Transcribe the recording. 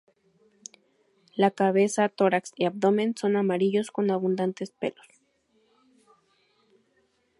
La cabeza, tórax y abdomen son amarillos con abundantes pelos.